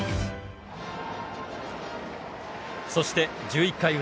そして１１回ウラ。